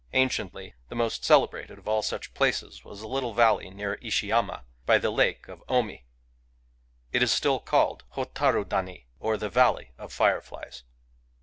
Anciently the most celebrated of all such places was a little valley near Ishiyama, by the lake of Omi^ It is still called Hotaru Dani, or the Valley, of , Fireflies.